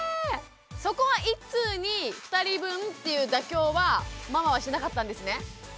そこは１通に２人分っていう妥協はママはしなかったんですね？